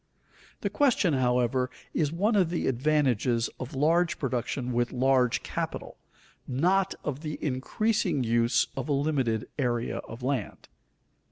The question, however, is one of the advantages of large production with large capital, not of the increasing use of a limited area of land.